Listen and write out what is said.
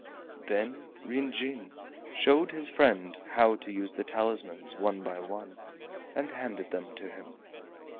Then Ryn Jin showed his friend how to use the talismans one by one and handed them to him.